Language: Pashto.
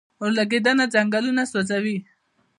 اورلګیدنه ځنګلونه سوځوي